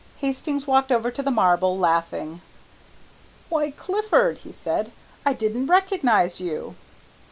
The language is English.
Hastings walked over to the marble, laughing. "Why, Clifford," he said, "I didn't recognize you."